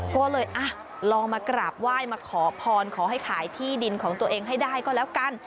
ก็เลยลองมากราบไหว้มาขอพรขอให้ขายที่ดินของตัวเองให้ได้ก็แล้วกัน